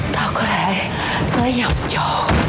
tao có lẽ tới nhầm chỗ